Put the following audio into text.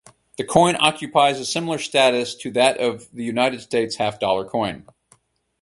The coin occupies a similar status to that of the United States half-dollar coin.